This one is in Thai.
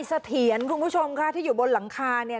เสถียรคุณผู้ชมค่ะที่อยู่บนหลังคาเนี่ย